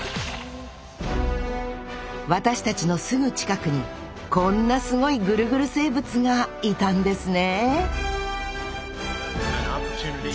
私たちのすぐ近くにこんなすごいぐるぐる生物がいたんですね！